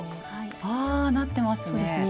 あなってますね。